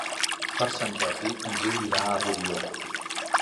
Per Sant Jordi en Gil irà a Rubió.